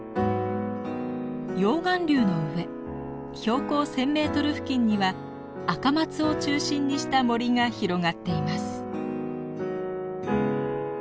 溶岩流の上標高１，０００メートル付近にはアカマツを中心にした森が広がっています。